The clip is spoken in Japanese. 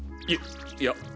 いいや。